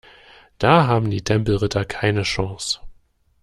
Da haben die Tempelritter keine Chance.